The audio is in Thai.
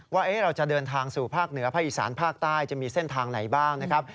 ว่าเราจะเดินทางสู่ภาคเหนือภาคอีสานภาคใต้จะมีเส้นทางไหนบ้างนะครับ